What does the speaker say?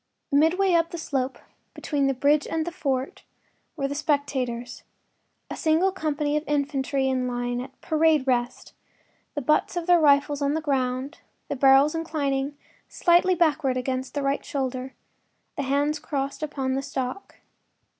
Midway up the slope between the bridge and fort were the spectators—a single company of infantry in line, at “parade rest,” the butts of their rifles on the ground, the barrels inclining slightly backward against the right shoulder, the hands crossed upon the stock.